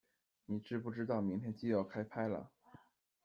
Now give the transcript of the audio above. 你知不知道明天就要开拍了